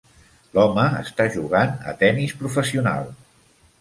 L"home està jugant a tenis professional.